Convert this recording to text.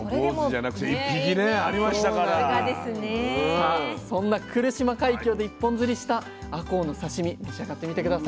さあそんな来島海峡で一本釣りしたあこうの刺身召し上がってみて下さい。